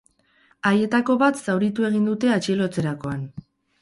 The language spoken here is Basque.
Haietako bat zauritu egin dute atxilotzerakoan.